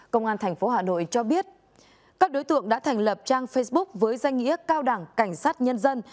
công an tp hà nội cho biết các đối tượng đã thành lập trang facebook với danh nghĩa cao đảng cảnh sát nhân dân